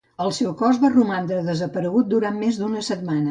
El seu cos va romandre desaparegut durant més d'una setmana.